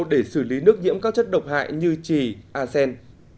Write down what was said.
để xử lý nước nhiễm các chất độc hại như trì asen